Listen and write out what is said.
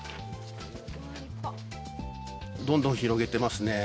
どんどん広げてますね。